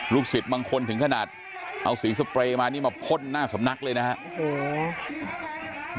สิทธิ์บางคนถึงขนาดเอาสีสเปรย์มานี่มาพ่นหน้าสำนักเลยนะครับ